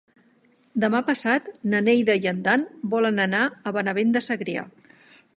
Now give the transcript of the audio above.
Demà passat na Neida i en Dan volen anar a Benavent de Segrià.